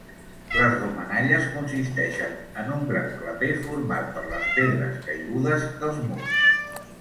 Les romanalles consisteixen en un gran claper format per les pedres caigudes dels murs.